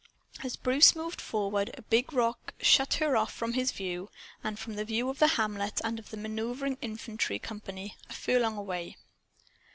As Bruce moved forward, a big rock shut her off from his view and from the view of the hamlet and of the maneuvering infantry company a furlong away.